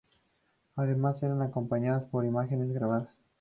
Además, eran acompañadas por imágenes grabadas.